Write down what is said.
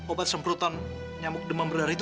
obat semprotan nyamuk demam berdarah itu